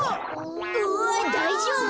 うわっだいじょうぶ？